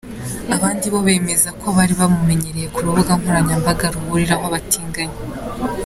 Abandi bo bemeza ko bari bamumenyereye ku rubuga nkoranyambaga ruhuriraho abatinganyi.